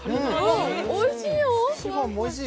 おいしいよ。